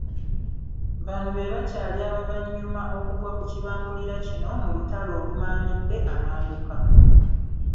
Bano be bakyali abavannyuma okugwa ku kibambulira kino mu lutalo olumaamidde amambuka.